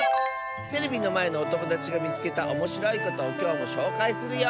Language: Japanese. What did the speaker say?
テレビのまえのおともだちがみつけたおもしろいことをきょうもしょうかいするよ！